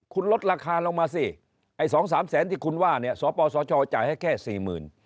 คุณลดราคาลงมาสิไอ้สองสามแสนที่คุณว่าเนี่ยสปสชจ่ายให้แค่สี่หมื่น